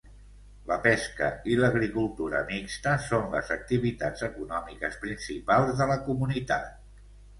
La pesca i l'agricultura mixta són les activitats econòmiques principals de la comunitat.